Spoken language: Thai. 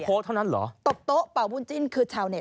เท่านั้นเหรอตบโต๊ะเป่าบุญจิ้นคือชาวเต็